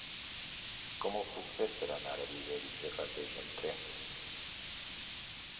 Com ho puc fer per anar a Viver i Serrateix amb tren?